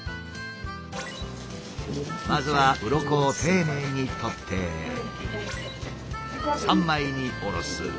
まずはウロコを丁寧にとって三枚におろす。